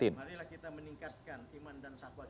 marilah kita meningkatkan iman dan takwa